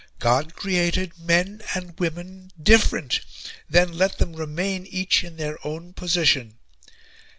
God created men and women different then let them remain each in their own position.